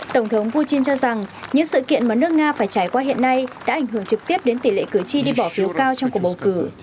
tổng thống putin cho rằng những sự kiện mà nước nga phải trải qua hiện nay đã ảnh hưởng trực tiếp đến tỷ lệ cử tri đi bỏ phiếu cao trong cuộc bầu cử